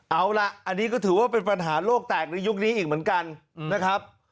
เอาล่ะอันนี้ก็ถือว่าเป็นปัญหาโลกแตกในยุคนี้อีกเหมือนกันนะครับ